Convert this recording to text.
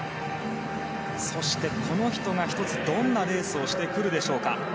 そしてこの人が１つ、どんなレースをしてくるでしょうか。